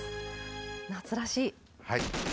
夏らしい。